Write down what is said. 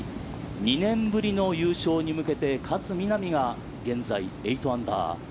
２年ぶりの優勝に向けて勝みなみが現在、８アンダー。